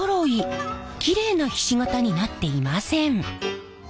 キレイなひし形になっていません。